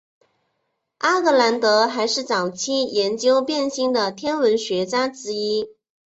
阿格兰德还是早期研究变星的天文学家之一。